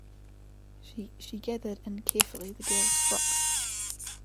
She gathered in carefully the girl's frock.